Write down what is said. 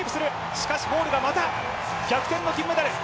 しかし、ホールがまた逆転の金メダル。